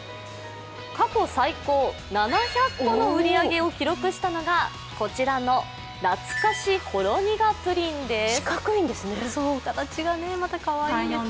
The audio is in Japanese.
過去最高７００個の売り上げを記録したのがこちらの懐かしほろ苦プリンです。